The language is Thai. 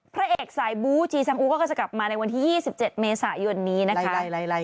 พระเอกสายบูจีซอูก็จะกลับมาในวันที่๒๗เมษายนนี้นะคะ